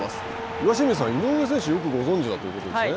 岩清水さん、井上選手はよくご存じだということですね。